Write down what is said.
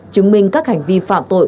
chứng minh các hành vi phạm tội